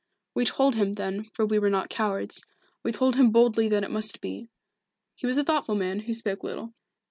We told him, then, for we were not cowards. We told him boldly that it must be. He was a thoughtful man, who spoke little.